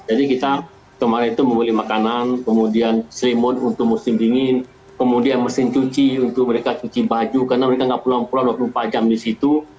jadi kita kemarin itu membeli makanan kemudian selimut untuk musim dingin kemudian mesin cuci untuk mereka cuci baju karena mereka nggak pulang pulang dua puluh empat jam di situ